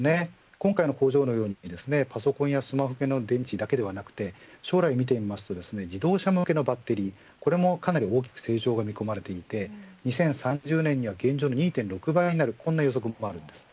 今回の工場のようにパソコンやスマートフォン向けの電池だけではなく将来見てみますと自動車向けのバッテリーこれもかなり大きく成長が見込まれていて２０３０年には現状の２．６倍になる予測もあります。